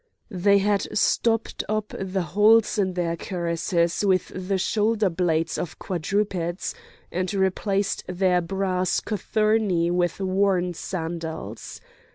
They had stopped up the holes in their cuirasses with the shoulder blades of quadrupeds, and replaced their brass cothurni with worn sandals.